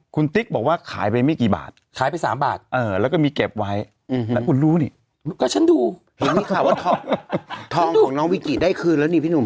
คุณติ๊กบอกว่าขายไปไม่กี่บาทขายไป๓บาทแล้วก็มีเก็บไว้แต่คุณรู้นี่ก็ฉันดูเห็นมีข่าวว่าทองของน้องวิกิได้คืนแล้วนี่พี่หนุ่ม